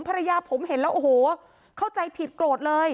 ภรรยาผมเห็นแล้วโอ้โหเข้าใจผิดโกรธเลย